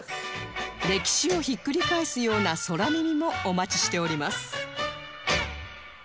歴史をひっくり返すような空耳もお待ちしております